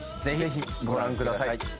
ぜひご覧ください。